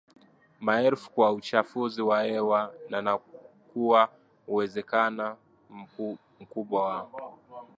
mrefu kwa uchafuzi wa hewa na na kuwa na uwezekana mkubwa wa